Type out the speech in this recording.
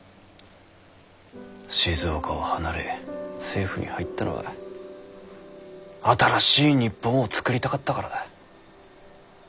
静岡を離れ政府に入ったのは新しい日本を作りたかったからだ。